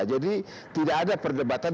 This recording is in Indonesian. jadi tidak ada perdebatan